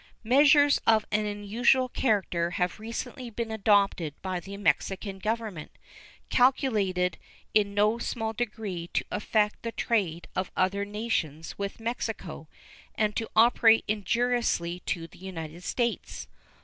Measures of an unusual character have recently been adopted by the Mexican Government, calculated in no small degree to affect the trade of other nations with Mexico and to operate injuriously to the United States.